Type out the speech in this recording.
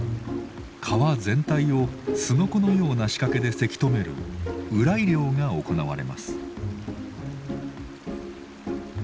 川全体をスノコような仕掛けでせき止めるウライ漁が行われます。